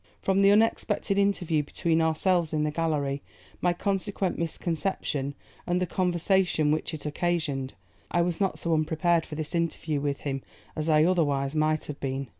From the unexpected interview between ourselves in the gallery, my consequent misconception, and the conversation which it occasioned, I was not so unprepared for this interview with him as I otherwise might have been.